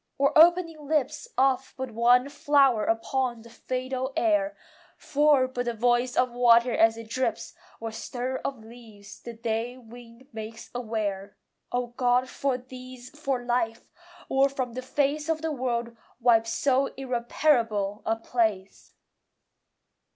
or opening lips Of but one flower upon the fatal air, For but the voice of water as it drips, Or stir of leaves the day wind makes aware! O God, for these, for life! or from the face Of the world wipe so irreparable a place!